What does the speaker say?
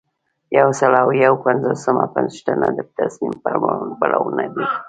یو سل او یو پنځوسمه پوښتنه د تصمیم پړاوونه دي.